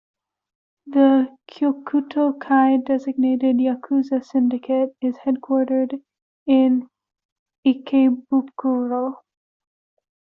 The Kyokuto-kai designated yakuza syndicate is headquartered in Ikebukuro.